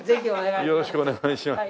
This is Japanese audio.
よろしくお願いします。